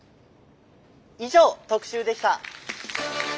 「以上特集でした」。